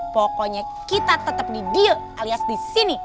pokoknya kita tetap di deal alias di sini